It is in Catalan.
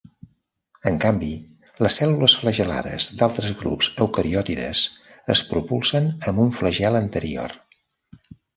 En canvi, les cèl·lules flagel·lades d'altres grups eucariotes es propulsen amb un flagel anterior.